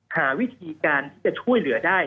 หาวิธีการที่จะช่วยเหลือได้